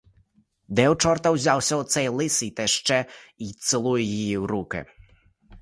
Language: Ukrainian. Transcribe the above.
Де в чорта взявся оцей лисий та ще й цілує її в руки?